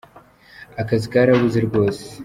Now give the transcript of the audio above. Akazi karabuze rwose.